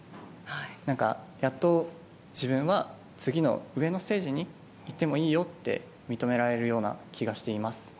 やっと自分は次の上のステージにいってもいいよって認められるような気がしています。